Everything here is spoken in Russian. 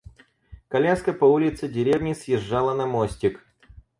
Коляска по улице деревни съезжала на мостик.